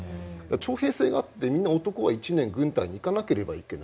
徴兵制があってみんな男は１年軍隊に行かなければいけない。